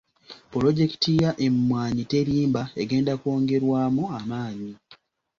Pulojekiti ya Emmwanyi Terimba egenda kwongerwamu amaanyi.